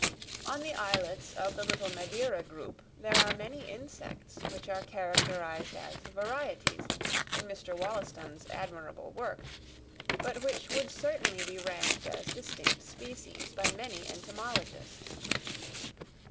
On the islets of the little Madeira group there are many insects which are characterized as varieties in Mr. Wollaston's admirable work, but which would certainly be ranked as distinct species by many entomologists.